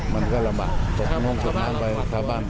มันก็ลำบากจบทางห้องจบน้ำไปข้าวบ้าน